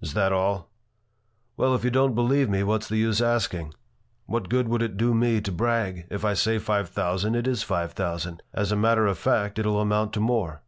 "Is that all?" "Well, if you don't believe me, what's the use asking? What good would it do me to brag? If I say five thousand. it is five thousand. As a matter of fact, it 'll amount to more."